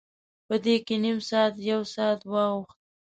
په دې کې نیم ساعت، یو ساعت واوښت.